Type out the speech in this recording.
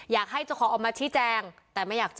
อยากให้เจ้าของออกมาชี้แจงแต่ไม่อยากเจอ